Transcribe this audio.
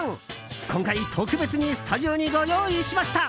今回、特別にスタジオにご用意しました！